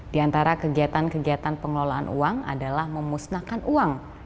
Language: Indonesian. di antara kegiatan kegiatan pengelolaan uang adalah memusnahkan uang